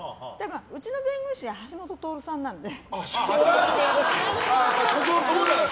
うちの弁護士、橋下徹さんなんで。